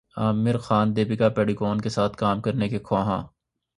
عامرخان دپیکا پڈوکون کے ساتھ کام کرنے کے خواہاں